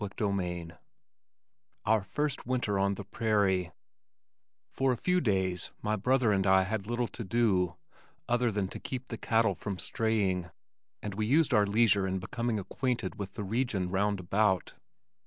CHAPTER IX Our First Winter on the Prairie For a few days my brother and I had little to do other than to keep the cattle from straying, and we used our leisure in becoming acquainted with the region round about.